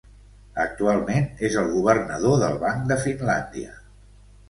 Actualment és el governador del Banc de Finlàndia.